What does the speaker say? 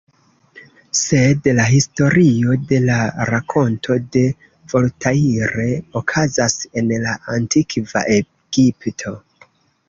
Sed la historio de la rakonto de Voltaire okazas en la Antikva Egipto.